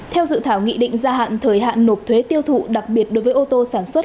theo dự thảo nghị định gia hạn thời hạn nộp thuế tiêu thụ đặc biệt đối với ô tô sản xuất